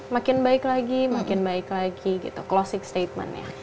makin baik lagi makin baik lagi gitu closing statementnya